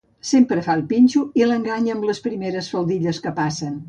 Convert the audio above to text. Sempre fa el pinxo i l'enganya amb les primeres faldilles que passen.